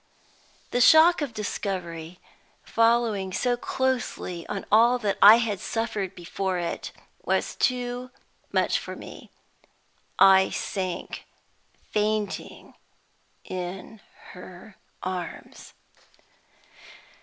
The shock of discovery, following so closely on all that I had suffered before it, was too much for me. I sank, fainting, in her arms.